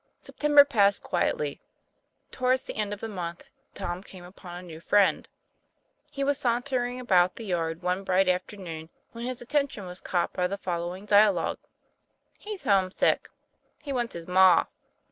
September passed quietly. Towards the end of the month Tom came upon a new friend. He was sauntering about the yard one bright afternoon, when his attention was caught by the following dialogue: "He's homesick!" " He wants his ma!"